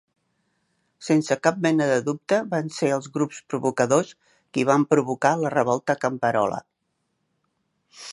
Sense cap mena de dubte, van ser els grups provocadors qui van provocar la Revolta Camperola.